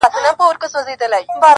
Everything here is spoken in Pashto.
بیا د ښکلیو پر تندیو اوربل خپور سو٫